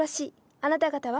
あなた方は？